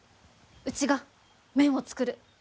うちが麺を作る。